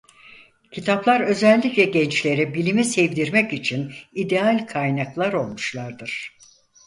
Kitaplar özellikle gençlere bilimi sevdirmek için ideal kaynaklar olmuşlardır.